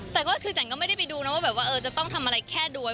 แต่ก็คือจันก็ไม่ได้ไปดูนะว่าแบบว่าจะต้องทำอะไรแค่รวย